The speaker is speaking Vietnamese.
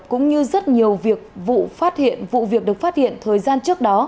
cũng như rất nhiều vụ việc được phát hiện thời gian trước đó